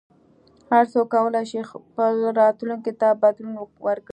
هر څوک کولای شي خپل راتلونکي ته بدلون ورکړي.